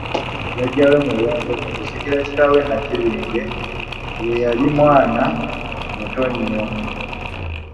jjajjaabwe Mulondo mu kusikira kitaawe Nnakibinge, ye yali mwana muto nnyo.